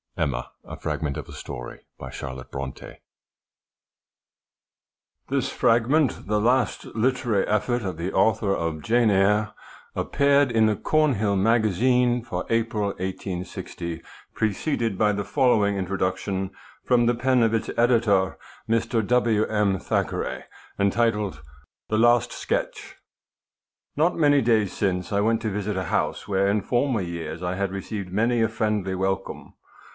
EMMA. A FRAGMENT OF A STOKY. (239) fragment, the last literary effort of the author of l JANE EYRE, appeared in the Qornhill Magazine for April, 1860, preceded by the following introduction from the pen of its editor, Mr. W. M. Thackeray, entitled, THE LAST SKETCH. Not many days since I went to visit a house where in former years I had received many a friendly welcome.